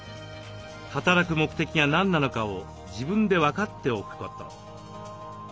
働く目的が何なのかを自分で分かっておくこと。